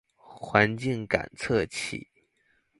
環境感測器